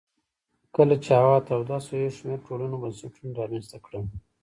کله چې هوا توده شوه یو شمېر ټولنو بنسټونه رامنځته کړل